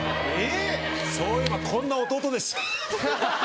そういえばこんな弟でした。